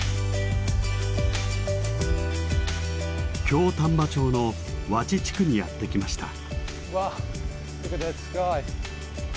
京丹波町の和知地区にやって来ました。